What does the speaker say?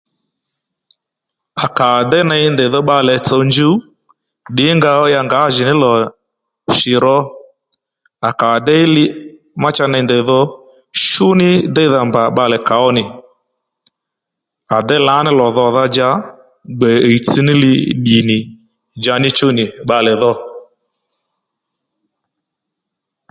À ka à déy ney ndèydho bbalè tsò njuw ddǐnga ó ya ngǎjì ní lò shì ro à kà à déy li ma cha ney ndèy dho shú ní deydha mbà bbalè kà ó nì à déy lǎní lò dhòdha dja gbe hìytssní li ddì nì dja ní chú nì bbàlè dho